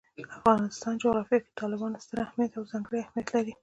د افغانستان جغرافیه کې تالابونه ستر او ځانګړی اهمیت لري.